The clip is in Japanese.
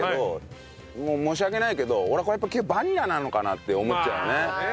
申し訳ないけど俺はこれはやっぱりバニラなのかなって思っちゃうよね。